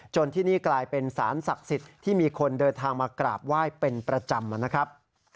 ที่นี่กลายเป็นสารศักดิ์สิทธิ์ที่มีคนเดินทางมากราบไหว้เป็นประจำนะครับ